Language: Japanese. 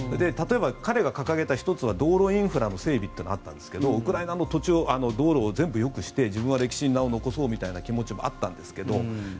例えば彼が掲げた１つに道路インフラの整備というのがあったんですがウクライナの道路を全部よくして自分は歴史に名を残そうみたいな気持ちもあったんですけど